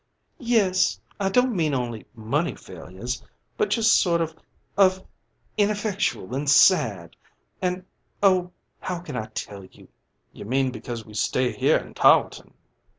"Yes. I don't mean only money failures, but just sort of of ineffectual and sad, and oh, how can I tell you?" "You mean because we stay here in Tarleton?"